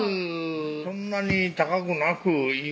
そんなに高くなくいい